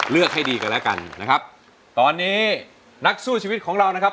ให้ดีกันแล้วกันนะครับตอนนี้นักสู้ชีวิตของเรานะครับ